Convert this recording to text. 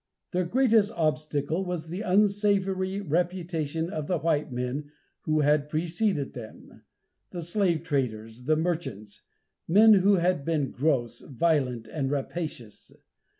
Their greatest obstacle was the unsavory reputation of the white men who had preceded them, the slave traders and merchants, men who had been gross, violent and rapacious.